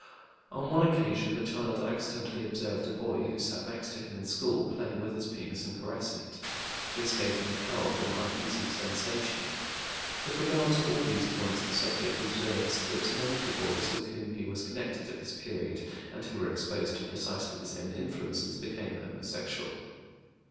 On one occasion the child accidentally observed a boy who sat next to him in school playing with his penis and caressing it. This gave him a powerful, uneasy sensation. With regard to all these points the subject observes that none of the boys with whom he was connected at this period, and who were exposed to precisely the same influences, became homosexual.